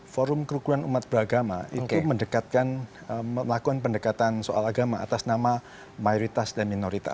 forum kerukunan umat beragama itu mendekatkan melakukan pendekatan soal agama atas nama mayoritas dan minoritas